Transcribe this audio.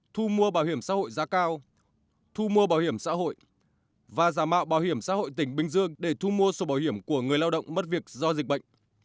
thu mua bảo hiểm xã hội giá cao thu mua bảo hiểm xã hội và giả mạo bảo hiểm xã hội tỉnh bình dương để thu mua sổ bảo hiểm của người lao động mất việc do dịch bệnh